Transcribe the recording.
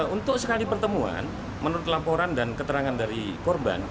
untuk sekali pertemuan menurut laporan dan keterangan dari korban